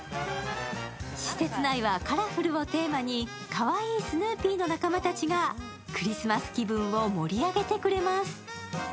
施設内はカラフルをテーマに、かわいいスヌーピーの仲間たちがクリスマス気分を盛り上げてくれます。